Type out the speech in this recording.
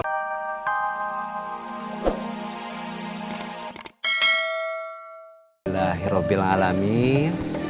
alhamdulillah hirupil alamin